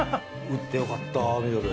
打ってよかった、ミドル。